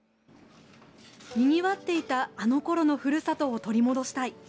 にぎわっていたあのころのふるさとを取り戻したい。